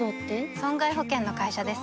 損害保険の会社です